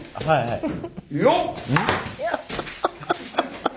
よっ！